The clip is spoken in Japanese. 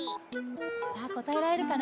さあこたえられるかな？